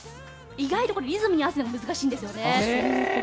意外とリズムに合わせるのが難しいんですよね。